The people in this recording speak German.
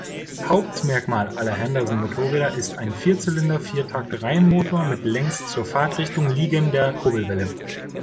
Hauptmerkmal aller "Henderson"-Motorräder ist ein Vierzylinder-Viertakt-Reihenmotor mit längs zur Fahrtrichtung liegender Kurbelwelle.